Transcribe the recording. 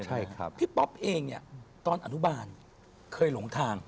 ใช่ครับพี่ป๊อปเองเนี่ยตอนอนุบาลเคยหลงทาง